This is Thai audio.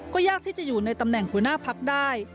ก็ยากที่จะอยู่ในตำแหน่งหัวหน้าพักได้